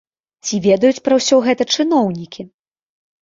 Ці ведаюць пра ўсё гэта чыноўнікі?